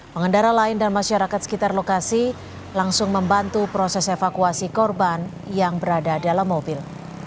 pengendara lain dan masyarakat sekitar lokasi langsung membantu proses evakuasi korban yang berada dalam mobil